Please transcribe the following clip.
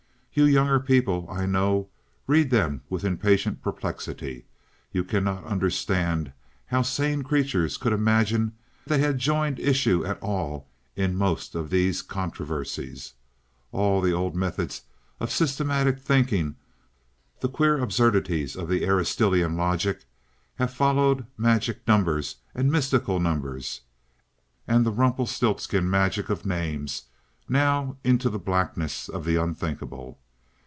You younger people, I know, read them with impatient perplexity. You cannot understand how sane creatures could imagine they had joined issue at all in most of these controversies. All the old methods of systematic thinking, the queer absurdities of the Aristotelian logic, have followed magic numbers and mystical numbers, and the Rumpelstiltskin magic of names now into the blackness of the unthinkable.